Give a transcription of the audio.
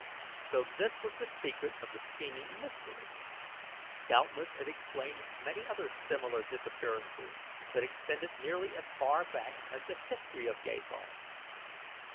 So this was the secret of the seeming mystery? Doubtless it explained many other similar disappearances that extended nearly as far back as the history of Gathol.